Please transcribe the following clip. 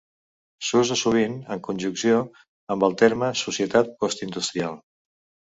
S'usa sovint en conjunció amb el terme societat postindustrial.